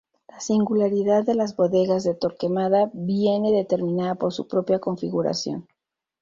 La singularidad de las bodegas de Torquemada viene determinada por su propia configuración.